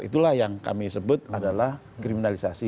itulah yang kami sebut adalah kriminalisasi